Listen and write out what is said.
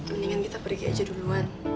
mendingan kita pergi aja duluan